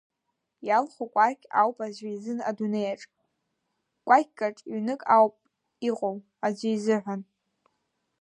Иалху кәакьк ауп аӡәы изын адунеиаҿ, кәакькаҿ ҩнык ауп иҟоу аӡәы изыҳәан.